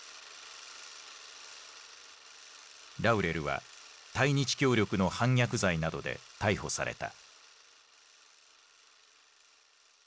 ラウレルは対日協力の反逆罪などで逮捕された。